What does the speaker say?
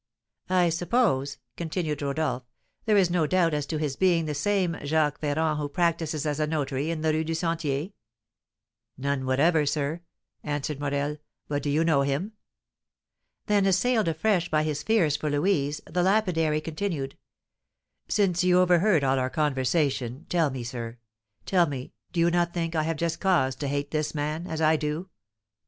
"I suppose," continued Rodolph, "there is no doubt as to his being the same Jacques Ferrand who practises as a notary in the Rue du Sentier?" "None whatever, sir," answered Morel; "but do you know him?" Then, assailed afresh by his fears for Louise, the lapidary continued: "Since you overheard all our conversation, tell me, sir, tell me, do you not think I have just cause to hate this man, as I do?